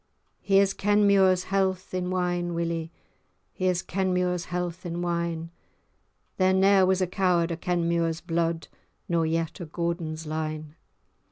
Here's Kenmure's health in wine, Willie, Here's Kenmure's health in wine; There ne'er was a coward o' Kenmure's blude, Nor yet o' Gordon's line.